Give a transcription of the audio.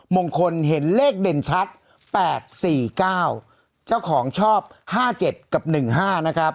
มงคลเห็นเลขเด่นชัดแปดสี่เก้าเจ้าของชอบห้าเจ็ดกับหนึ่งห้านะครับ